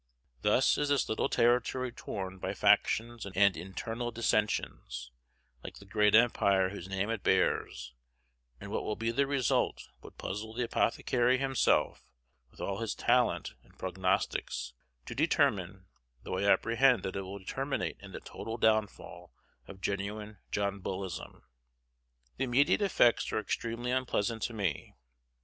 Thus is this little territory torn by factions and internal dissensions, like the great empire whose name it bears; and what will be the result would puzzle the apothecary himself, with all his talent at prognostics, to determine, though I apprehend that it will terminate in the total downfall of genuine John Bullism. The immediate effects are extremely unpleasant to me.